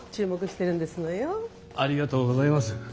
ありがとうございます。